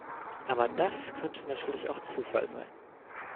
Aber das könnte natürlich auch Zufall sein.